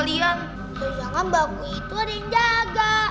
kalian jangan bangku itu ada yang jaga